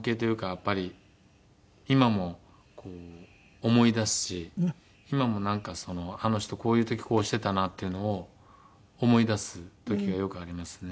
やっぱり今も思い出すし今もあの人こういう時こうしてたなっていうのを思い出す時がよくありますね。